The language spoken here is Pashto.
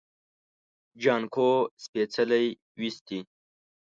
جانکو څپلۍ وېستې.